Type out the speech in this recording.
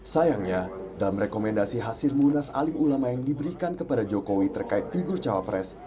sayangnya dalam rekomendasi hasil munas alim ulama yang diberikan kepada jokowi terkait figur cawapres